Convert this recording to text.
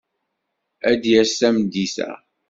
Ad d-yas tameddit-a.